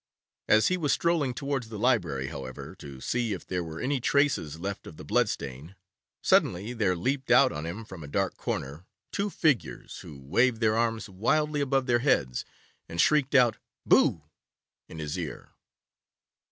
As he was strolling towards the library, however, to see if there were any traces left of the blood stain, suddenly there leaped out on him from a dark corner two figures, who waved their arms wildly above their heads, and shrieked out 'BOO!' in his ear.